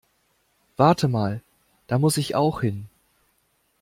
Wartet mal, da muss ich auch hin.